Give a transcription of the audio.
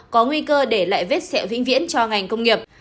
có nguy cơ để lại vết xẹo vĩnh viễn cho ngành công nghiệp